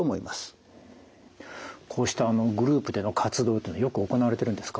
こうしたグループでの活動というのはよく行われてるんですか？